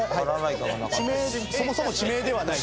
そもそも地名ではない。